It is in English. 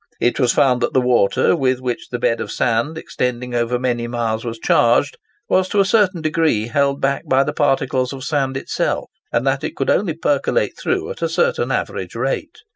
It was found that the water, with which the bed of sand extending over many miles was charged, was to a certain degree held back by the particles of the sand itself, and that it could only percolate through at a certain average rate.